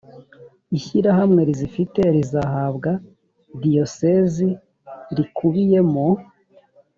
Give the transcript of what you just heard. ishyirahamwe rizifite rizahabwa diyosezi rikubiyemo